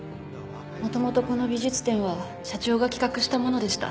元々この美術展は社長が企画したものでした。